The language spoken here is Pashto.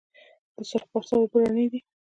د سرخ پارسا اوبه رڼې دي